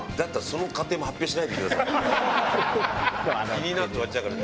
気になって終わっちゃうから。